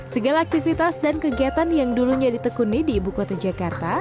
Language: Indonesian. segala aktivitas dan kegiatan yang dulunya ditekuni di ibu kota jakarta